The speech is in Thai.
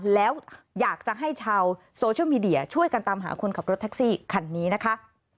แล้วอยากจะให้ชาวโซเชียลมีเดียช่วยกันตามหาคนขับรถแท็กซี่คันนี้นะคะ